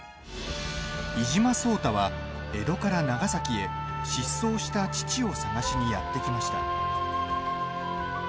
伊嶋壮多は江戸から長崎へ失踪した父を探しにやって来ました。